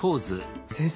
先生